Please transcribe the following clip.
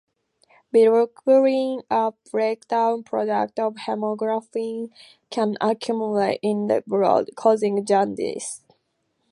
Bilirubin, a breakdown product of hemoglobin, can accumulate in the blood, causing jaundice.